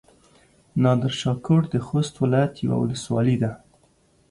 نادرشاه کوټ د خوست ولايت يوه ولسوالي ده.